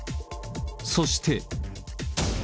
そして。